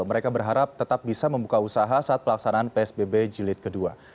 mereka berharap tetap bisa membuka usaha saat pelaksanaan psbb jilid kedua